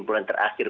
bahkan juga battle